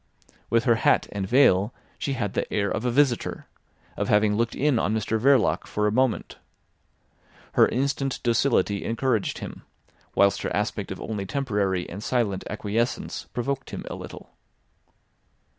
With her hat and veil she had the air of a visitor, of having looked in on Mr Verloc for a moment. Her instant docility encouraged him, whilst her aspect of only temporary and silent acquiescence provoked him a little.